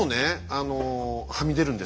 あのはみ出るんです。